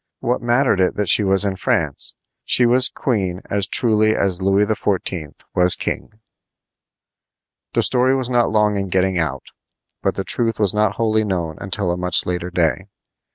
What mattered it that she was in France? She was queen as truly as Louis XIV. was king. The story was not long in getting out, but the truth was not wholly known until a much later day.